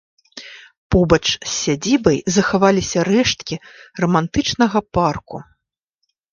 Побач з сядзібай захаваліся рэшткі рамантычнага парку.